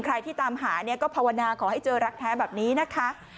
ใครที่ตามหาเนี่ยก็ภาวนาขอให้เจอรักแท้แบบนี้นะคะ